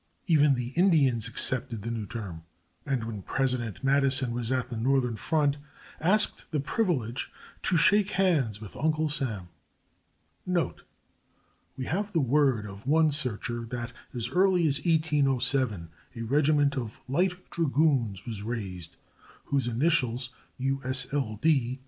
Even the Indians accepted the new term, and when President Madison was at the northern front asked the privilege "to shake hands with Uncle Sam."[A] [A] Note We have the word of one searcher that as early as 1807 a regiment of Light Dragoons was raised whose initials, "U. S. L. D.